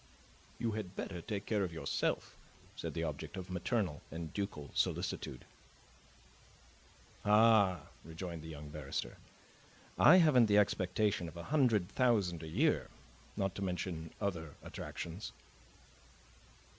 "You had better take care of yourself," said the object of maternal and ducal solicitude. "Ah," rejoined the young barrister, "I haven't the expectation of a hundred thousand a year, not to mention other attractions."